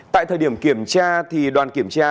tại thời điểm kiểm tra thì đoàn kiểm tra